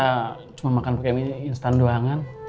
kita cuma makan pakai mie instan doangan